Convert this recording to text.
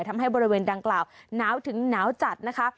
ทำให้บริเวณดังกล่าวหนาวถึงหนาวจัดนะคะ